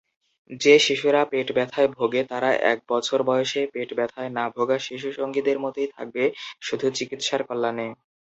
যে শিশুরা পেটব্যথায় ভোগে তারা এক বছর বয়সে পেটব্যথায় না-ভোগা শিশু সঙ্গীদের মতোই থাকবে শুধু চিকিৎসার কল্যাণে।